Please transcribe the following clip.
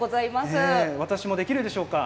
私もできるでしょうか。